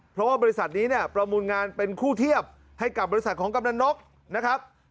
เพราะว่าบริษัทนี้เนี่ยประมูลงานเป็นคู่เทียบให้กับบริษัทของกำลังนกนะครับ